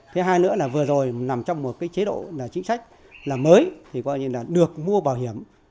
thứ hai nữa là vừa rồi nằm trong một chế độ chính sách là mới thì được mua bảo hiểm